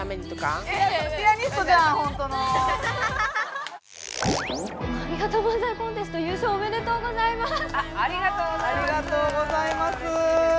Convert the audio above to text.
ありがとうございます。